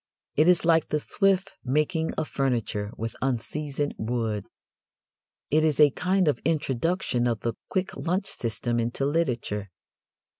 It is like the swift making of furniture with unseasoned wood. It is a kind of introduction of the quick lunch system into literature.